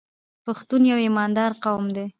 پښتون یو ایماندار قوم دی.